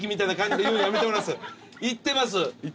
行ってます。